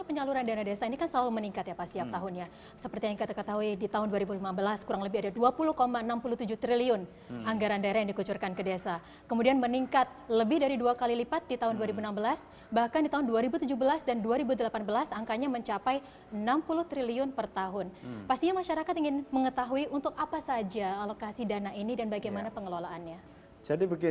mereka mengoptimalkan babing kamtip masnya